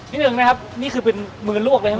พี่หนึ่งนะครับนี่คือเป็นมือลวกเลยใช่ไหม